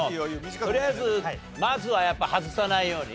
とりあえずまずはやっぱ外さないようにね。